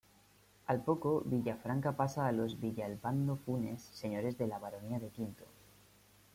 Al poco Villafranca pasa a los Villalpando-Funes, señores de la baronía de Quinto.